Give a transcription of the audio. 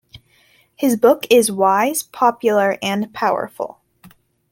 His book is wise, popular, and powerful.